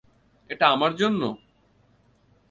এটা আমার জন্য?